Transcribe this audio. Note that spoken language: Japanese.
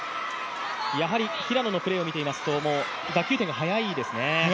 やはり平野のプレーを見ていますと、打球点が高いですよね。